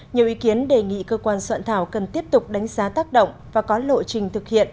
nhiều ý kiến đề nghị cơ quan soạn thảo cần tiếp tục đánh giá tác động và có lộ trình thực hiện